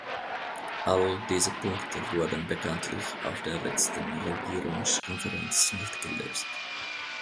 All diese Punkte wurden bekanntlich auf der letzten Regierungskonferenz nicht gelöst.